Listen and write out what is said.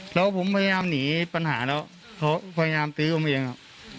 แล้วผมพยายามหนีปัญหาแล้วเขาพยายามตื้อลงไปเองครับ